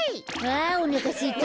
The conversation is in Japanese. あおなかすいた。